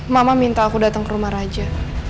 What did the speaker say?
mama minta aku datang ke rumah raja